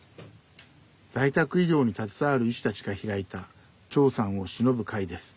在宅医療に携わる医師たちが開いた長さんをしのぶ会です。